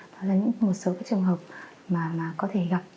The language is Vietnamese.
đó là những một số cái trường hợp mà có thể gặp